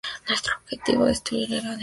Nuestro objetivo: Destruir la era digital.